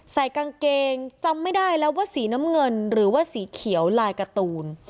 ใส่กางเกงจำไม่ได้แล้วว่าสีน้ำเงินหรือว่าสีเขียวลายการ์ตูน